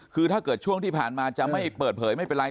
คือถ้าเกิดช่วงที่ผ่านมาจะไม่เปิดเผยไม่เป็นไร